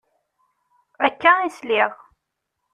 Akka i sliɣ.